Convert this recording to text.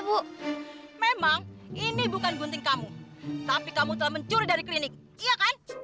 bu memang ini bukan gunting kamu tapi kamu telah mencuri dari klinik iya kan